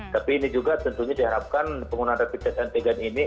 tapi ini juga tentunya diharapkan penggunaan rapid test antigen ini